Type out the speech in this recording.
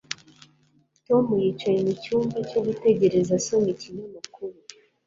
Tom yicaye mucyumba cyo gutegereza asoma ikinyamakuru.